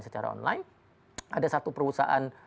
secara online ada satu perusahaan